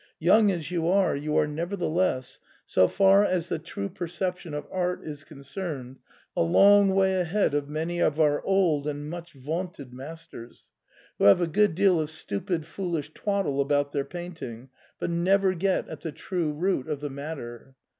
Young as you are, you are nevertheless, so far as the true perception of art is concerned, a long way ahead of many of our old and much vaunted masters, who have a good deal of stupid foolish twaddle about their painting, but never get at the true root of the matter.